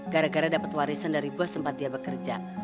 gara gara dapat warisan dari bos tempat dia bekerja